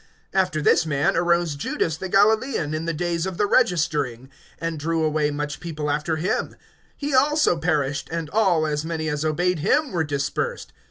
(37)After this man arose Judas the Galilaean, in the days of the registering, and drew away much people after him; he also perished, and all, as many as obeyed him, were dispersed.